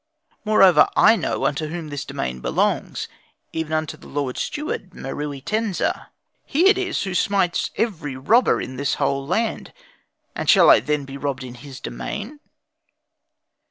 Moreover, I know unto whom this domain belongs, even unto the Lord Steward Meruitensa. He it is who smites every robber in this whole land; and shall I then be robbed in his domain?"